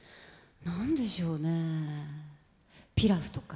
何でしょうねピラフとか。